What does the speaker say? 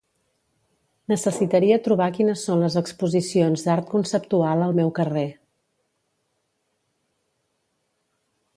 Necessitaria trobar quines són les exposicions d'art conceptual al meu carrer.